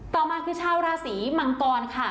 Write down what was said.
ต่อมาคือชาวราศีมังกรค่ะ